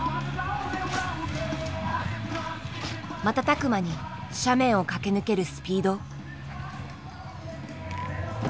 瞬く間に斜面を駆け抜けるスピード。